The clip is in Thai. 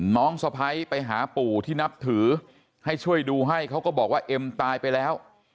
สะพ้ายไปหาปู่ที่นับถือให้ช่วยดูให้เขาก็บอกว่าเอ็มตายไปแล้ว